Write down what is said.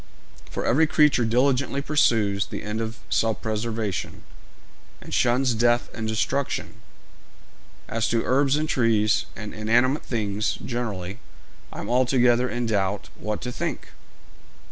For every creature diligently pursues the end of self preservation, and shuns death and destruction! As to herbs and trees, and inanimate things generally, I am altogether in doubt what to think.'